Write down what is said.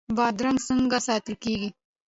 بادرنګ څنګه ساتل کیږي؟